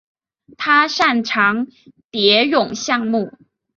他擅长蝶泳项目。